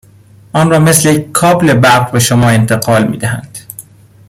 آن را مثل یک کابل برق به شما انتقال میدهند.